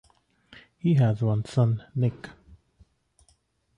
He has one son Nick.